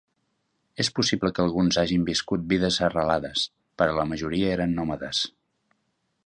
És possible que alguns hagin viscut vides arrelades, però la majoria eren nòmades.